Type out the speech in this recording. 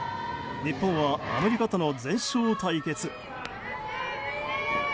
日本はアメリカとの全勝対決。